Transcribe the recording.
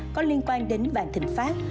có liên quan đến vạn tình phát